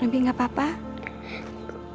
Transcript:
semoga semoga cepat sembuh